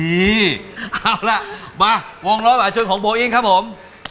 เอาล่ะมาวงล้อมหาชนของโบอิ้งครับผม